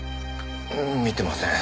見てません。